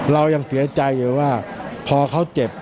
เรายังเสียใจอยู่ว่าพอเขาเจ็บ